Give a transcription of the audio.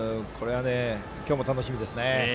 今日も楽しみですね。